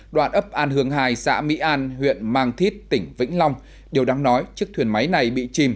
đoạn ấp an hương hai xã mỹ an huyện mang thít tỉnh vĩnh long điều đáng nói chiếc thuyền máy này bị chìm